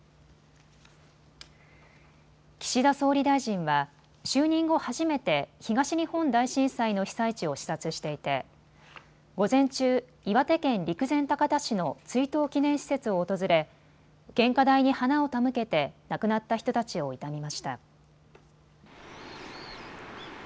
岸田総理大臣は就任後初めて東日本大震災の被災地を視察していて午前中、岩手県陸前高田市の追悼祈念施設を訪れ献花台に花を手向けて亡くなった人たちを悼みました。